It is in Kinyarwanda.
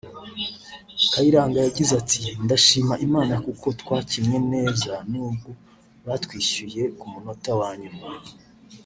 Kayiranga yagize ati “Ndashima Imana kuko twakinnye neza nubwo batwishyuye ku munota wa nyuma